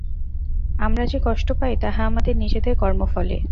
আমরা যে কষ্ট পাই, তাহা আমাদের নিজেদের কর্মফলে।